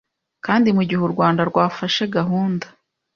kandi mu gihe u Rwanda rwafashe gahunda